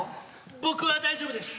僕は大丈夫でしゅ。